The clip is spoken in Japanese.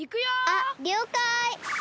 あっりょうかい。